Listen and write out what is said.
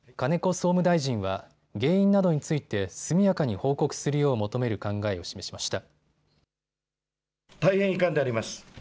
総務大臣は原因などについて速やかに報告するよう求める考えを示しました。